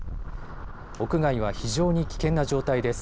屋外は非常に危険な状態です。